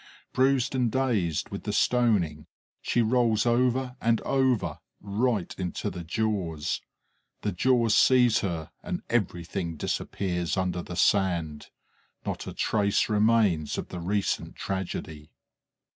Bruised and dazed with the stoning, she rolls over and over, right into the jaws. The jaws seize her and everything disappears under the sand; not a trace remains of the recent tragedy.